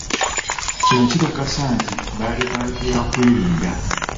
Kino kikakasa nti baali ba byakwerinda.